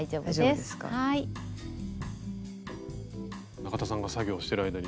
中田さんが作業してる間に。